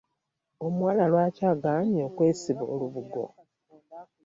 Omuwala lwaki agaanye okwesiba olubugo.